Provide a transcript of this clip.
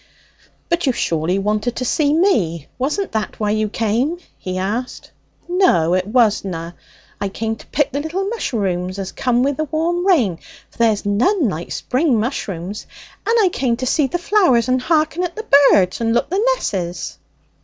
'But you surely wanted to see me? Wasn't that why you came?' he asked. 'No, it wasna. I came to pick the little musherooms as come wi' the warm rain, for there's none like spring musherooms. And I came to see the flowers, and hearken at the birds, and look the nesses.'